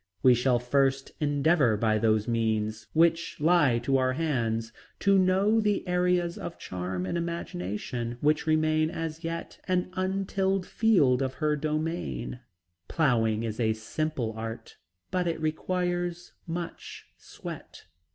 We shall first endeavor by those simple means which lie to our hands, to know the areas of charm and imagination which remain as yet an untilled field of her domain. Plowing is a simple art, but it requires much sweat.